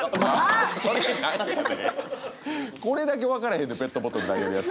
これだけ分からへんねんペットボトル投げるやつ。